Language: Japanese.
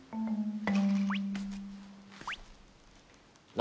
何？